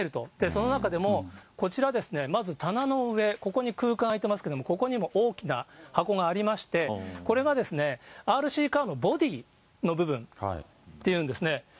その中でも、こちら、まず棚の上、ここに空間空いてますけれども、ここにも大きな箱がありまして、これがＲＣカーのボディの部分っていうんですね。